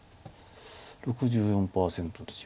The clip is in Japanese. ６４％です。